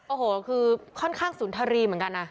โอ้โหคือค่อนข้างสุนทรีเหมือนกันนะ